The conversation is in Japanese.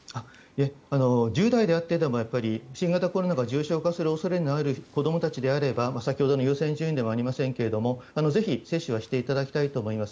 １０代であっても新型コロナが重症化する恐れのある子どもたちであれば先ほどの優先順位ではありませんがぜひ接種はしていただきたいと思います。